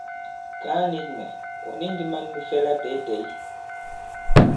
Kàa nīk mɛ̀: ɔ̀ ni ndī man nu fɛ latɛ̂ytɛ̌y?